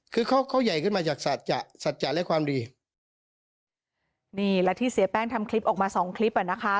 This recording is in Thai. คือเขาเขาใหญ่ขึ้นมาจากสัจจะสัจจะและความดีนี่และที่เสียแป้งทำคลิปออกมาสองคลิปอ่ะนะคะ